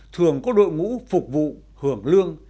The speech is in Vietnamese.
thường có đội ngũ phục vụ hưởng lương